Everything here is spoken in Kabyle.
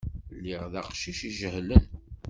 Lliɣ d aqcic ijehlen.